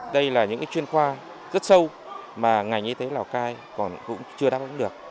đây là những chuyên khoa rất sâu mà ngành y tế lào cai còn cũng chưa đáp ứng được